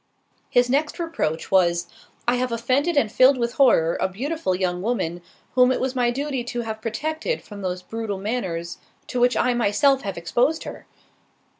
His next reproach was—"I have offended and filled with horror, a beautiful young woman, whom it was my duty to have protected from those brutal manners, to which I myself have exposed her."